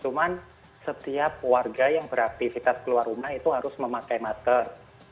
cuman setiap warga yang beraktivitas keluar rumah itu harus memakai masker